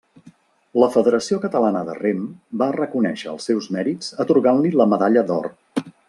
La Federació Catalana de Rem, va reconèixer els seus mèrits atorgant-li la medalla d’or.